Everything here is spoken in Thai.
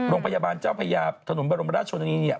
โรงพยาบาลเจ้าพญาถนนบรมราชชนนีเนี่ย